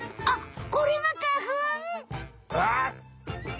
あっ！